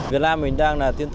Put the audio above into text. việt nam mình đang là tiên tử